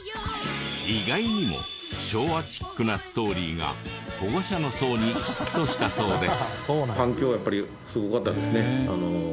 意外にも昭和チックなストーリーが保護者の層にヒットしたそうで。